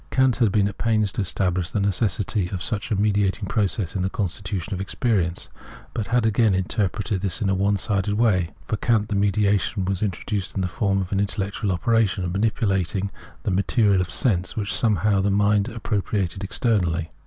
Kant had been at pains to estabhsh the necessity of such a mediating process in the constitution of experience ; but had again inter preted this in a one sided way. For Kant, the mediation was introduced in the form of an intellectual operation, manipulating the ' material of sense,' which somehow the mind appropriated externally..